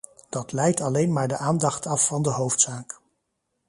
Dat leidt alleen maar de aandacht af van de hoofdzaak.